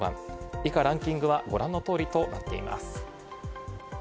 以下、ランキングはご覧の通りとなっています。